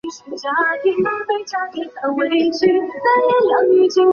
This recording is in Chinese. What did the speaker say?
葵阳关遗址的历史年代为明代。